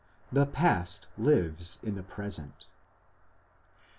The past lives in the present.